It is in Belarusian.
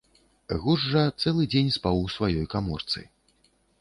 Гуз жа цэлы дзень спаў у сваёй каморцы.